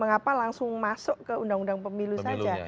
mengapa langsung masuk ke undang undang pemilu saja